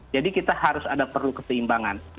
jadi kita harus ada perlu keseimbangan